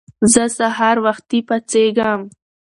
زه سهار وختی پاڅیږم